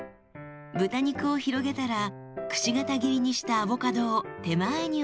豚肉を広げたらくし形切りにしたアボカドを手前に置きます。